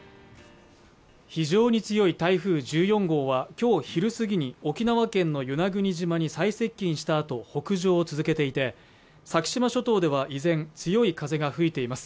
非常に強い台風１４号は今日昼すぎに、沖縄県の与那国島に最接近したあと北上を続けていて、先島諸島では依然、強い風が吹いています。